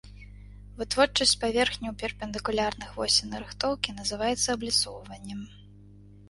Вытворчасць паверхняў, перпендыкулярных восі нарыхтоўкі, называецца абліцоўваннем.